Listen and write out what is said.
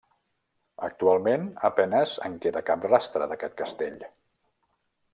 Actualment a penes en queda cap rastre, d'aquest castell.